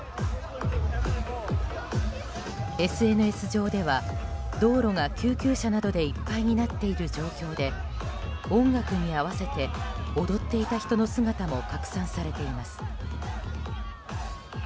ＳＮＳ上では道路が救急車などでいっぱいになっている状況で音楽に合わせて踊っていた人の姿も拡散されています。